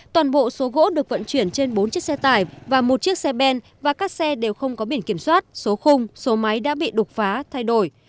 toàn bộ số gỗ được vận chuyển trên bốn chiếc xe tải và một chiếc xe ben và các xe đều không có biển kiểm soát số khung số máy đã bị đột phá thay đổi